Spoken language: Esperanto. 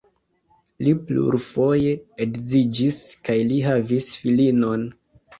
Li plurfoje edziĝis kaj li havis filinon.